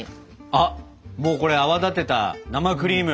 あっもうこれ泡立てた生クリーム！